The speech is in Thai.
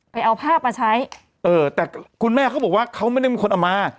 เอาภาพมาใช้เออแต่คุณแม่เขาบอกว่าเขาไม่ได้มีคนเอามา